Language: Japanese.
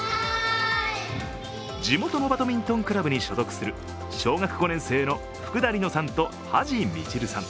地元のバドミントンクラブに所属する小学５年生の福田梨乃さんと土師みちるさん。